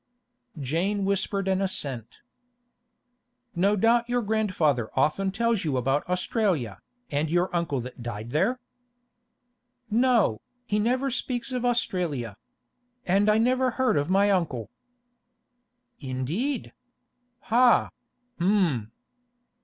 Jane whispered an assent. 'No doubt your grandfather often tells you about Australia, and your uncle that died there?' 'No, he never speaks of Australia. And I never heard of my uncle.' 'Indeed? Ha—hum!